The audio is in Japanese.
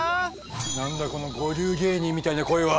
何だこの五流芸人みたいな声は？